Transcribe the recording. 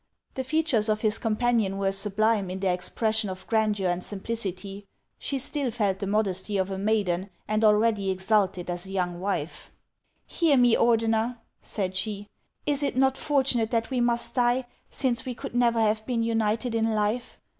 The features of his companion were sublime in their expression of grandeur and simplicity ; she still felt the modesty of a maiden, and already exulted as a young wife. " Hear me, Ordeuer," said she :" is it not fortunate that we must die, since we could never have been united in life